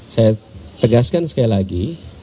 saya tegaskan sekali lagi